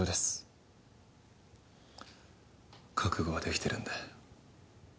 覚悟はできてるんで。